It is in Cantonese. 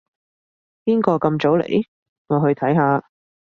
邊個咁早嚟？我去睇下